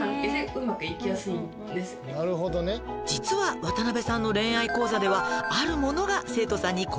「実は渡辺さんの恋愛講座ではあるものが生徒さんに好評なんですって」